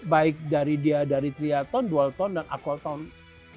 baik dari dia dari triathlon dualton dan aquatone